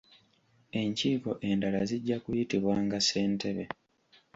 Enkiiko endala zijja kuyitibwanga ssentebe.